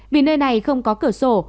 vì nơi này không có cửa sổ